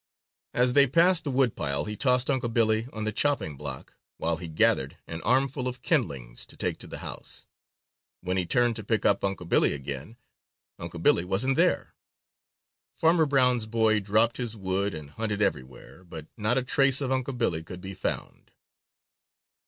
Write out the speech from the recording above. As they passed the woodpile, he tossed Unc' Billy on the chopping block while he gathered an armful of kindlings to take to the house. When he turned to pick up Unc' Billy again, Unc' Billy wasn't there. Farmer Brown's boy dropped his wood and hunted everywhere, but not a trace of Unc' Billy could he find.